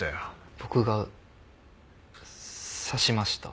僕が刺しました。